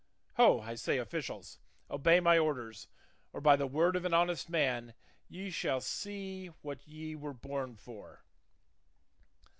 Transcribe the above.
Ho, I say, officials, obey my orders; or by the word of an honest man, ye shall see what ye were born for."